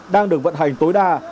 đang được vận hành tối đa